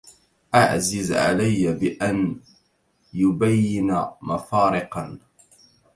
أعزز علي بأن يبين مفارقا